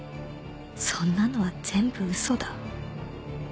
「そんなのは全部嘘だ」